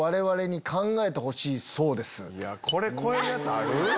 これ超えるやつある？